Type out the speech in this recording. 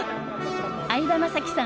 相葉雅紀さん